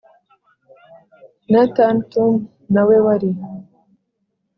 na Than Tum na we wari